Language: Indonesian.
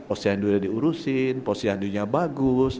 osiandu udah diurusin posiandunya bagus